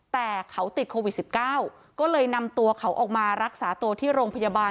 แต่เขาติดโควิด๑๙ก็เลยนำตัวเขาออกมารักษาตัวที่โรงพยาบาล